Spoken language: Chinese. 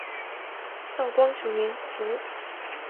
道光九年卒。